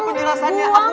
gue gak perlu